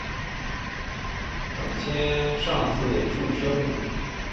反切上字注声母。